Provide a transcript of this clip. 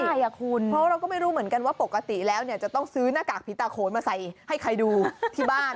เพราะเราก็ไม่รู้เหมือนกันว่าปกติแล้วเนี่ยจะต้องซื้อหน้ากากผีตาโขนมาใส่ให้ใครดูที่บ้าน